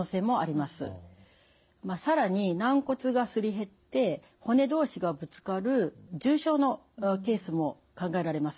更に軟骨がすり減って骨同士がぶつかる重症のケースも考えられます。